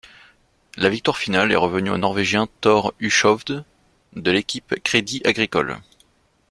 La victoire finale est revenue au norvégien Thor Hushovd de l'équipe Crédit agricole.